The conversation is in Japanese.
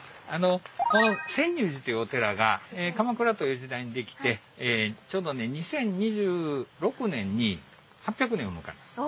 この泉涌寺というお寺が鎌倉という時代に出来てちょうどね２０２６年に８００年を迎えます。